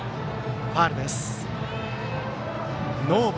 ファウルです。